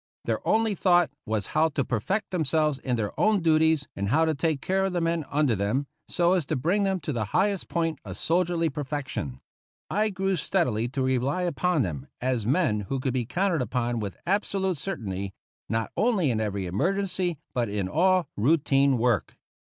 Their only thought was how to per fect themselves in their own duties, and how to 40 TO CUBA take care of the men under them, so as to bring them to the highest point of soldierly perfection I grew steadily to rely upon them, as men who could be counted upon with absolute certainty, not only in every emergency, but in all routine work.